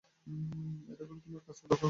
এটা করে তোমার কাজকে রক্ষা করেছি।